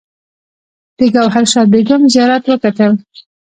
د ګوهر شاد بیګم زیارت وکتل.